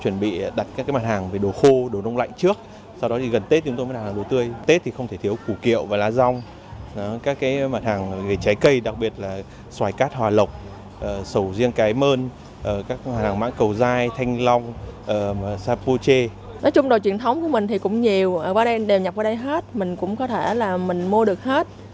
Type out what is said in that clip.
nói chung đồ truyền thống của mình thì cũng nhiều đều nhập qua đây hết mình cũng có thể là mình mua được hết